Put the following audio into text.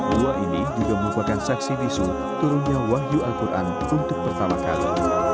gua ini juga merupakan saksi bisu turunnya wahyu al quran untuk pertama kali